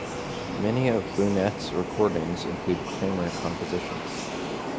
Many of Bunnett's recordings include Cramer compositions.